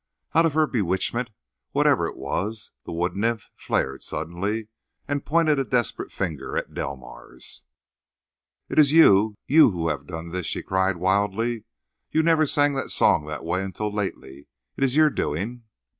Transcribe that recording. Out of her bewitchment, whatever it was, the wood nymph flared suddenly, and pointed a desperate finger at Delmars. "It is you—you who have done this," she cried wildly. "You never sang that song that way until lately. It is your doing."